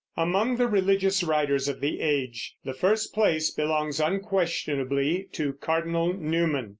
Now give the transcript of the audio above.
Among the religious writers of the age the first place belongs unquestionably to Cardinal Newman.